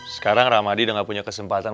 sekarang ramadhan udah gak punya kesempatan